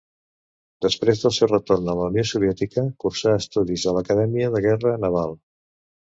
Després del seu retorn a la Unió Soviètica, cursà estudis a l'Acadèmia de Guerra Naval.